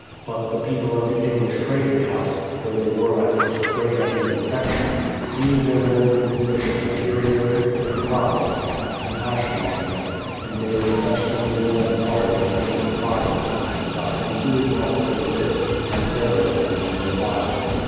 But the people of the English trading house, though they were at first afraid of the infection, seeing their woful condition and hearing their pitiful cries, had compassion on them, and daily fetched them wood and water and made them fires, and got them food whilst they lived, and buried them when they died.